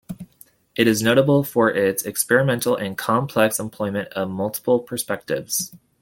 It is notable for its experimental and complex employment of multiple perspectives.